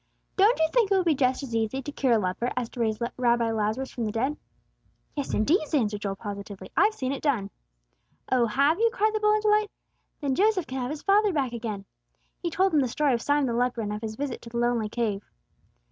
"Don't you think it would be just as easy to cure a leper as to raise Rabbi Lazarus from the dead?" "Yes, indeed!" answered Joel, positively, "I've seen it done." "Oh, have you?" cried the boy, in delight. "Then Joseph can have his father back again." He told him the story of Simon the leper, and of his visit to the lonely cave.